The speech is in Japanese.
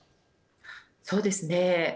そうですね。